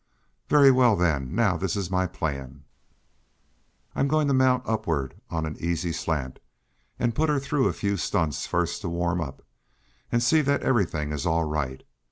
"Very well, then. Now this is my plan. I'm going to mount upward on an easy slant, and put her through a few stunts first, to warm up, and see that everything is all right.